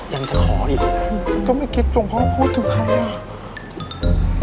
ยังจะขออีกก็ไม่คิดจงพ่อพูดถึงใครอ่ะ